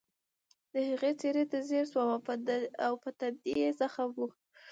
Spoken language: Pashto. د هغې څېرې ته ځیر شوم او په ټنډه یې زخم و